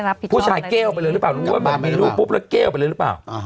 นึกว่ามันมีรูปปุ๊บแล้ว๖๐๐เลยหรือเปล่า